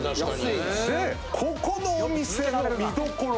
でここのお店の見どころ